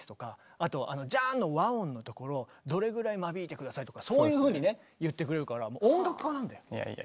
あとあのジャーンの和音のところどれぐらい間引いて下さいとかそういうふうにね言ってくれるからもう音楽家なんだよ。いやいや。